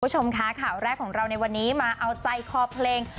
คุณผู้ชมค่ะข่าวแรกของเราในวันนี้มาเอาใจคอเพลง